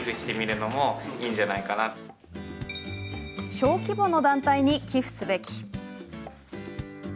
小規模の団体に寄付すべき。